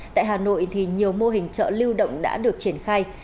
tại hà nội thì nhiều mô hình chợ lưu động đã được triển khai